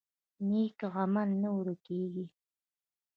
نیک عمل نه ورک کیږي